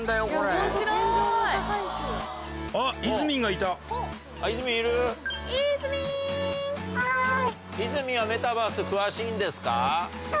いずみんはメタバース詳しいんですか？